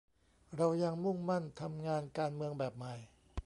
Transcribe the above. เรายังมุ่งมั่นทำงานการเมืองแบบใหม่